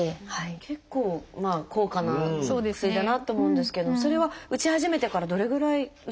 結構高価な薬だなと思うんですけれどもそれは打ち始めてからどれぐらい打ち続けるんですか？